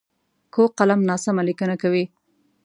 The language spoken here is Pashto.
کوږ قلم ناسمه لیکنه کوي